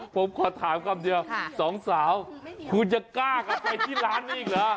ผมควรถามขนาดพี่ลองสองสาวคุณจะกล้ากับไปที่ร้านนี้หรอ